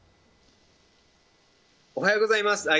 おはようございます。